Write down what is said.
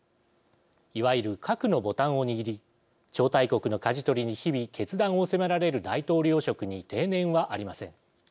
いわゆる核のボタンを握り超大国のかじ取りに日々決断を迫られる大統領職に定年はありません。